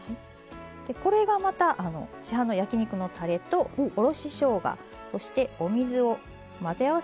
これがまた市販の焼き肉のたれとおろししょうがそしてお水を混ぜ合わせたものになります。